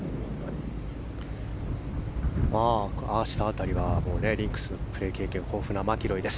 ああした辺りはリンクスのプレー経験が豊富なマキロイです。